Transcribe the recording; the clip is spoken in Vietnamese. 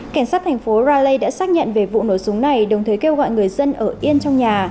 cảnh sát thành phố rale đã xác nhận về vụ nổ súng này đồng thời kêu gọi người dân ở yên trong nhà